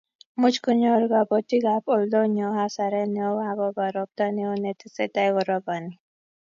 Much kunyoru kabotikab oldo nyo hasaret neoo akobo robta neoo ne tesetai koroboni